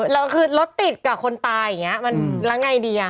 แล้วคือรถติดกับคนตายอย่างนี้แล้วไงดีอ่ะ